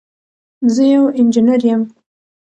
زه یو انجنير یم.